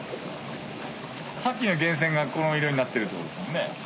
さっきの源泉がこの色になってるってことですもんね。